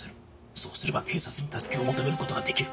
そうすれば警察に助けを求めることができる。